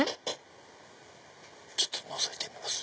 ちょっとのぞいてみます！